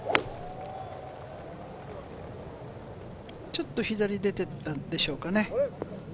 ちょっと左に出てったでしょうかね。